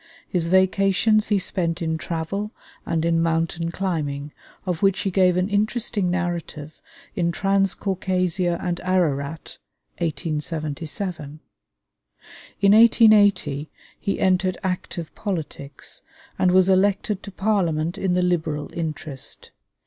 His vacations he spent in travel and in mountain climbing, of which he gave an interesting narrative in 'Transcaucasia and Ararat' (1877). In 1880 he entered active politics, and was elected to Parliament in the Liberal interest.